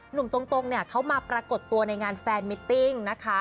หนุ่มตรงเนี่ยเขามาปรากฏตัวในงานแฟนมิตติ้งนะคะ